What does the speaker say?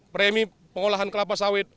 premi pengolahan kelapa sawit